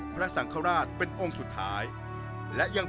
พระพุทธพิบูรณ์ท่านาภิรม